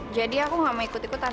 jadi aku nggak mau ikut ikutan